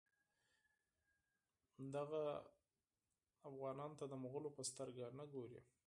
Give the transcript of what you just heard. دغو اوغانانو ته د مغولو په سترګه نه ګوري.